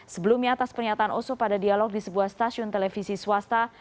sebelumnya atas pernyataan oso pada dialog di sebuah stasiun televisi swasta